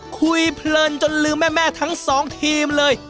คุยเพลินจนลืมแม่ทั้ง๒ทีมเลย